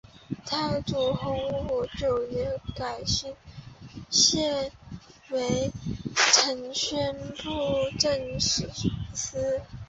太祖洪武九年改行省为承宣布政使司。